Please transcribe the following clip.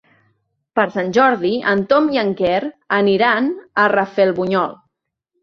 Per Sant Jordi en Tom i en Quer aniran a Rafelbunyol.